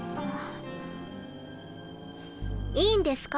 いいんですか？